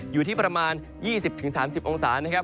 อยู่ที่ประมาณ๒๐๓๐องศานะครับ